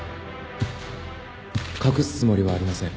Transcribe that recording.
隠すつもりはありません。